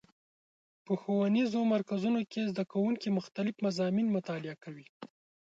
په ښوونیزو مرکزونو کې زدهکوونکي مختلف مضامین مطالعه کوي.